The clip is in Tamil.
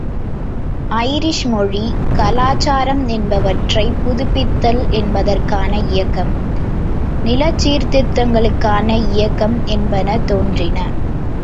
ஐரிஷ் மொழி, கலாசாரம் என்பவற்றைப் புதுப்பித்தல் என்பதற்கான இயக்கம், நிலச்சீர்திருத்தங்களுக்கான இயக்கம் என்பன தோன்றின.